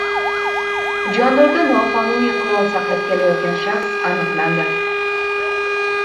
Jondorda noqonuniy qurol saqlab kelayotgan shaxs aniqlandi